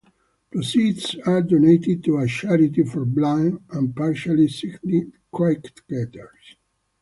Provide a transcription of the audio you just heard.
Proceeds are donated to a charity for blind and partially sighted cricketers.